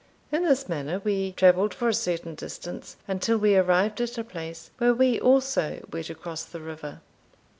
In this manner we travelled for a certain distance, until we arrived at a place where we also were to cross the river.